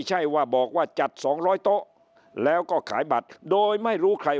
ใช่ว่าบอกว่าจัด๒๐๐โต๊ะแล้วก็ขายบัตรโดยไม่รู้ใคร